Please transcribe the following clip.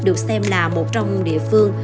được xem là một trong địa phương